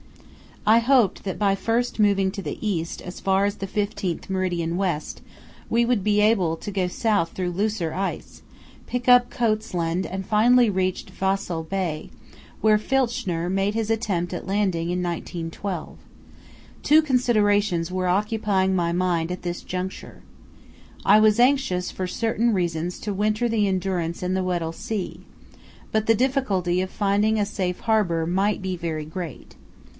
I hoped that by first moving to the east as far as the fifteenth meridian west we would be able to go south through looser ice, pick up Coats' Land and finally reach Vahsel Bay, where Filchner made his attempt at landing in 1912. Two considerations were occupying my mind at this juncture. I was anxious for certain reasons to winter the Endurance in the Weddell Sea, but the difficulty of finding a safe harbour might be very great.